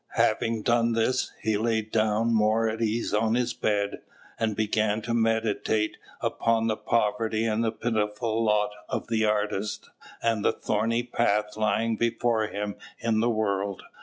Having done this, he lay done more at ease on his bed, and began to meditate upon the poverty and pitiful lot of the artist, and the thorny path lying before him in the world.